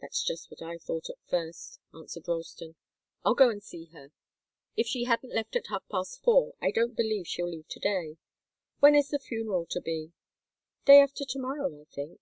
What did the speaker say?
"That's just what I thought at first," answered Ralston. "I'll go and see her. If she hadn't left at half past four, I don't believe she'll leave to day. When is the funeral to be?" "Day after to morrow, I think."